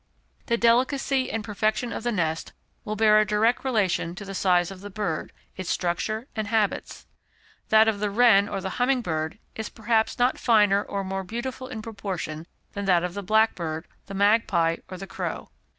The delicacy and perfection of the nest will bear a direct relation to the size of the bird, its structure and habits. That of the wren or the humming bird is perhaps not finer or more beautiful in proportion than that of the blackbird, the magpie, or the crow.